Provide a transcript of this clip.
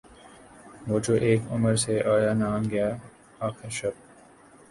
وہ جو اک عمر سے آیا نہ گیا آخر شب